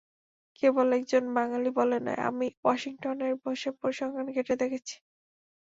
কেবল একজন বাঙালি বলে নয়, আমি ওয়াশিংটনে বসে পরিসংখ্যান ঘেঁটে দেখেছি।